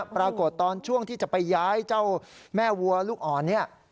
ปรากฏตอนช่วงที่จะไปย้ายเจ้าแม่วัวลูกอ่อนเนี่ย